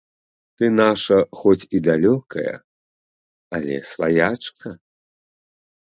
Ты наша, хоць і далёкая, але сваячка.